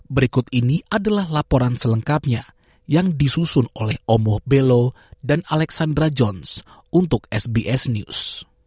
berikut ini adalah laporan selengkapnya yang disusun oleh omoh belo dan alexandra jones untuk sbs news